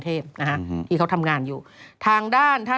เท่าที่เป็นไปได้นะ